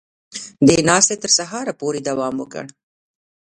دې ناستې تر سهاره پورې دوام وکړ